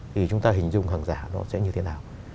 thì chúng ta hình dung hàng giả nó sẽ như thế nào